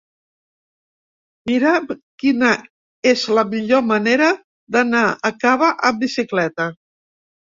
Mira'm quina és la millor manera d'anar a Cava amb bicicleta.